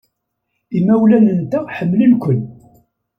Imawlan-nteɣ ḥemmlen-ken.